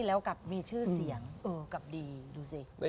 และกลับดี